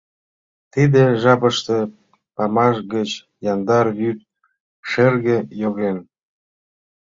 Тиде жапыште памаш гыч яндар вӱд шырге йоген.